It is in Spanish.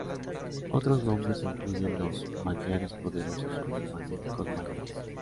Otros nombres incluyen "los magiares poderosos" o los "magníficos magiares".